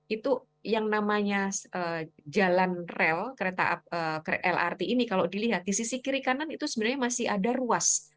itu yang namanya jalan rel kereta lrt ini kalau dilihat di sisi kiri kanan itu sebenarnya masih ada ruas